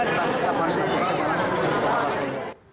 tapi kita harusnya berhenti